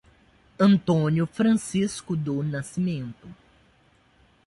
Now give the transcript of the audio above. Antônio Francisco do Nascimento